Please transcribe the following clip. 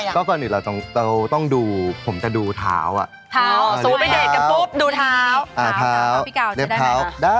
ก็รอจังหวะต่อไปทุกข้างหน้า